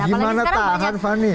gimana tahan fani